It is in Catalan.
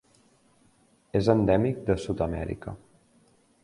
És endèmic de Sud-amèrica.